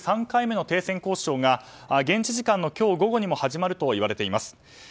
３回目の停戦交渉が現地時間の今日午後にも始まるといわれています。